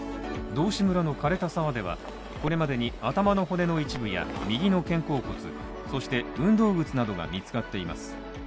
道志村の枯れた沢ではこれまでに、頭の骨の一部や右の肩甲骨そして、運動靴などが見つかっています。